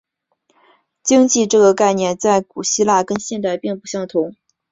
经济这个概念在古希腊跟现代并不相同。